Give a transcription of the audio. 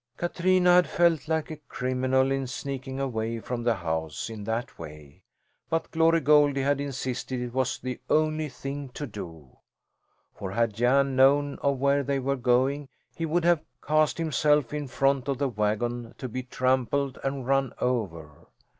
Katrina had felt like a criminal in sneaking away from the house in that way, but Glory Goldie had insisted it was the only thing to do. For had Jan known of where they were going he would have cast himself in front of the wagon, to be trampled and run over.